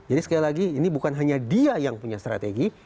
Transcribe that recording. sekali lagi ini bukan hanya dia yang punya strategi